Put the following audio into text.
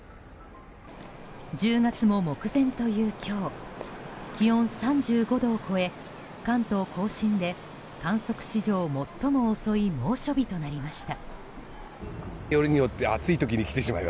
１０月も目前という今日気温３５度を超え関東・甲信で観測史上最も遅い猛暑日となりました。